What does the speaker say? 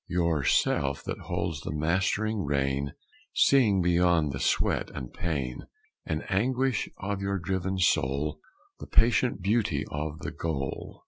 Your Self that holds the mastering rein, Seeing beyond the sweat and pain And anguish of your driven soul, The patient beauty of the goal!